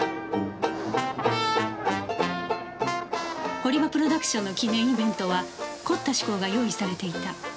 堀場プロダクションの記念イベントは凝った趣向が用意されていた